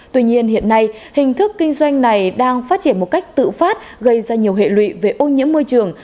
tuy nhiên hiện nay hình thức kinh doanh này đang phát triển một cách tự phát gây ra nhiều hệ lụy về ô nhiễm môi trường